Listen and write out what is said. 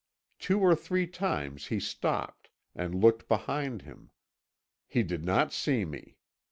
Two or three times he stopped, and looked behind him; he did not see me.